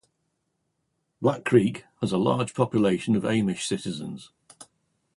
Black Creek has a large population of Amish citizens.